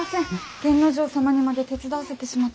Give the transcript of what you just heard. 源之丞様にまで手伝わせてしまって。